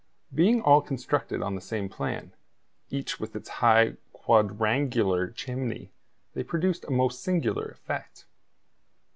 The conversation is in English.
Being all constructed on the same plan, each with its high quadrangular chimney, they produced a most singular effect.